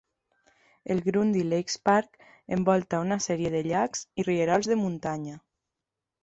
El Grundy Lakes Park envolta una sèrie de llacs i rierols de muntanya.